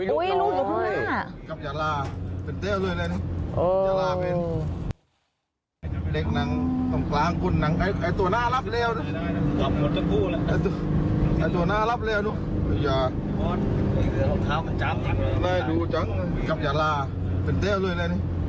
โอ้ยลูกอยู่ข้างหน้า